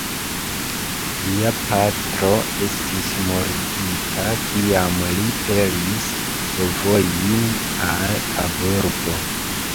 Lia patro estis murdita, kiam li pelis bovojn al Kaburbo.